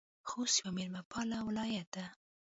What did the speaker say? خوست یو میلمه پاله ولایت ده